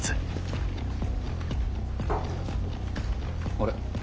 あれ？